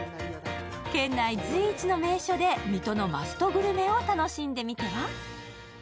県内随一の名所で見通しのマストグルメを楽しんでみては？